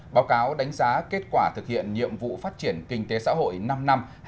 báo cáo đánh giá kết quả thực hiện nhiệm vụ phát triển kinh tế xã hội năm năm hai nghìn một mươi một hai nghìn hai